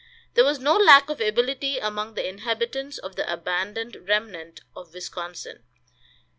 There was no lack of ability among the inhabitants of the abandoned remnant of Wisconsin.